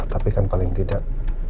tapi kan paling tidak